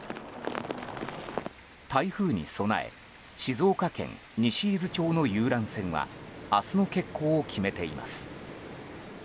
台風に備え静岡県西伊豆町の遊覧船は明日の欠航を決めています。